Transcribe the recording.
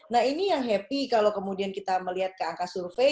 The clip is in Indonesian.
nah ini yang happy kalau kemudian kita melihat ke angka survei